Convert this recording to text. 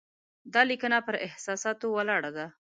دا لیکنه پر احساساتو ولاړه ده.